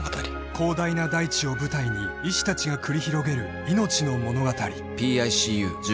［広大な大地を舞台に医師たちが繰り広げる命の物語］